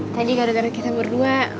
tadi gara gara kita berdua